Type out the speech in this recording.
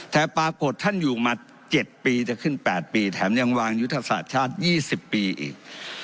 แต่ปรากฏท่านอยู่มา๗ปีจะขึ้น๘ปีแถมยังวางยุทธศาสตร์ชาติ๒๐ปีอีก